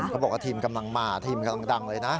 บอกว่าทีมกำลังมาทีมกำลังดังเลยนะ